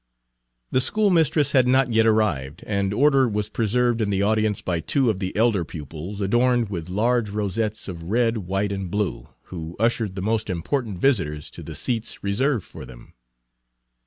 The schoolmistress had not yet arrived, and order was preserved in the audience by two of the elder pupils, adorned with large rosettes of red, white, and blue, who ushered the most important visitors to the seats Page 159 reserved for them.